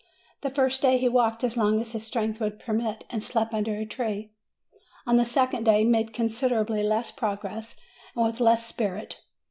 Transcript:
The first day he walked as long as his strength would permit, and slept under a tree. On the second day he made considerably less progress, and with less spirit.